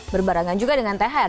berbarangan juga dengan thr